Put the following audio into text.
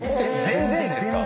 全然ですか？